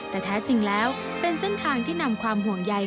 แต่แท้จริงแล้วเป็นเส้นทางที่นำความห่วงใย